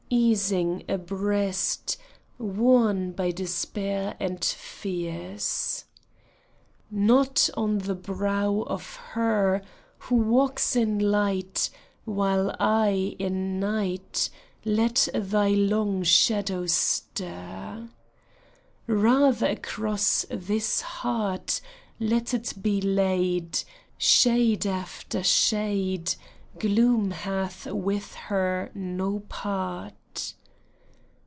Easing a breast Worn by despair and fears. 36 IN LIGHT: IN NIGHT. Not on the brow of her Who walks in light, While I in night, Let thy long shadow stir. Rather across this heart Let it be laid, Shade after shade, Gloom hath with her no part.